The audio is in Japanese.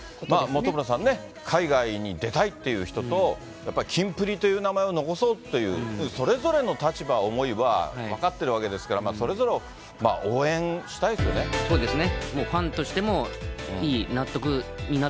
本村さんね、海外に出たいっていう人と、やっぱりキンプリという名前を残そうという、それぞれの立場、思いは分かってるわけですから、そうですね。